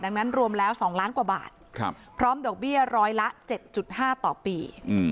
ดังนั้นรวมแล้ว๒ล้านกว่าบาทพร้อมดอกเบี้ยร้อยละ๗๕ต่อปี